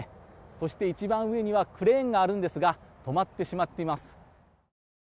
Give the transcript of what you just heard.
そして、一番上にはクレーンがあるんですが止まってしまっています。